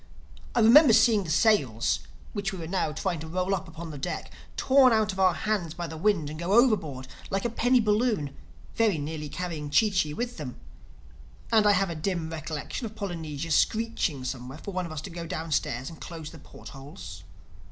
I remember seeing the sails, which we were now trying to roll up upon the deck, torn out of our hands by the wind and go overboard like a penny balloon—very nearly carrying Chee Chee with them. And I have a dim recollection of Polynesia screeching somewhere for one of us to go downstairs and close the port holes.